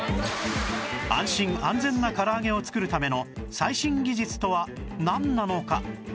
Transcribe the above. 安心・安全なから揚げを作るための最新技術とはなんなのか？